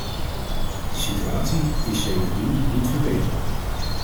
De situatie is sedertdien niet verbeterd.